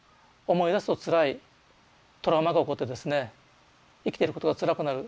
思い出すとつらいトラウマが起こってですね生きてることがつらくなる。